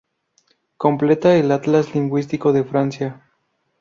Completa el Atlas lingüístico de Francia.